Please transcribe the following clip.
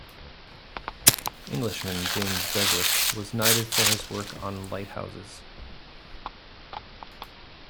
Englishman James Douglass was knighted for his work on lighthouses.